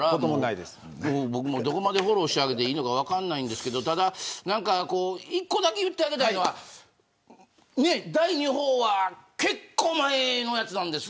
僕もどこまでフォローしてあげていいか分からないですが１個だけ言ってあげたいのは第２報は結構前のやつなんです。